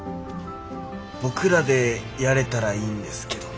僕らでやれたらいいんですけどね。